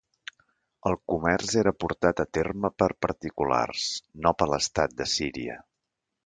El comerç era portat a terme per particulars, no per l'estat d'Assíria.